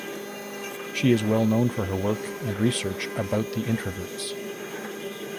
She is well known for her work and research about the introverts.